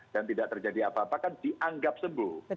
dan tidak terjadi apa apa kan dianggap sembuh